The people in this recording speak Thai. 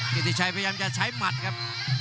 กิจิชัยพยายามจะใช้หมัดครับ